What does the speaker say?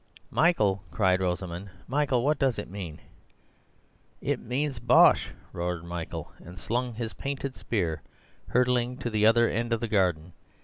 "Michael!" cried Rosamund; "Michael, what does it mean?" "It means bosh!" roared Michael, and slung his painted spear hurtling to the other end of the garden.